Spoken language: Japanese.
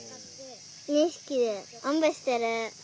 ２ひきでおんぶしてる。